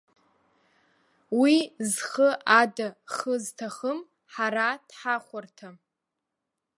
Уи, зхы ада хы зҭахым, ҳара дҳахәарҭам!